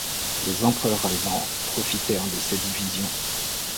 Les empereurs allemands profitèrent de ces divisions.